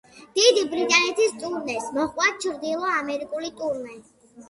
დიდი ბრიტანეთის ტურნეს მოჰყვა ჩრდილო ამერიკული ტურნე.